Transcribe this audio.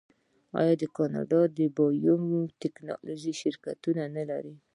آیا کاناډا د بایو ټیکنالوژۍ شرکتونه نلري؟